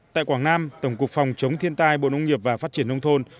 tại quảng nam tổng cục phòng chống thiên tai bộ nông nghiệp và phát triển nông thôn